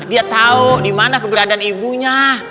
dia tau dimana keberadaan ibunya